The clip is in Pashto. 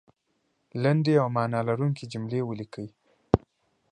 لنډې او معنا لرونکې جملې لیکئ